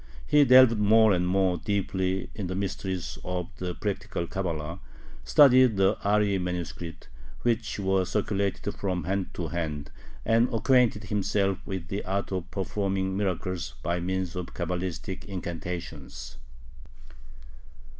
He delved more and more deeply in the mysteries of the Practical Cabala, studied the "Ari manuscripts," which were circulated from hand to hand, and acquainted himself with the art of performing miracles by means of Cabalistic incantations.